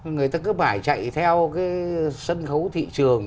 người ta cứ phải chạy theo cái sân khấu thị trường